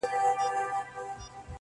یاره کله به سیالان سو دجهانه,